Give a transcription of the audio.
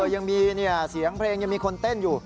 ยังมีเสียงเพลงยังมีคนเต้นอยู่